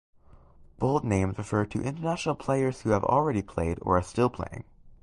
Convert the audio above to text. Bold names refer to international players who have already played or are still playing.